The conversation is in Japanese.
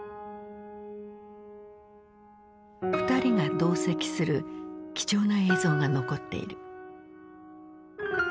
２人が同席する貴重な映像が残っている。